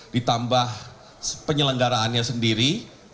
ditambah penyelenggaraannya sendiri